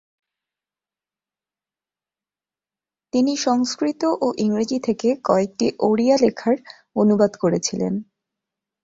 তিনি সংস্কৃত ও ইংরেজি থেকে কয়েকটি ওড়িয়া লেখার অনুবাদ করেছিলেন।